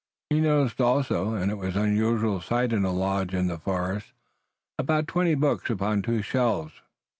He noticed also, and it was an unusual sight in a lodge in the forest, about twenty books upon two shelves.